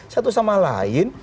satu sama lain